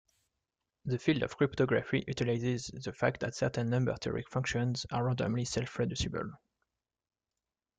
The field of cryptography utilizes the fact that certain number-theoretic functions are randomly self-reducible.